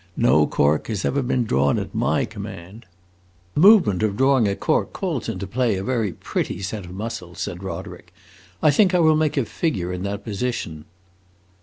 No cork has ever been drawn at my command!" "The movement of drawing a cork calls into play a very pretty set of muscles," said Roderick. "I think I will make a figure in that position."